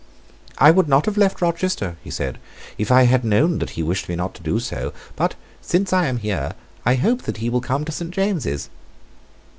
"I would not have left Rochester," he said, "if I had known that he wished me not to do so: but, since I am here, I hope that he will come to Saint James's."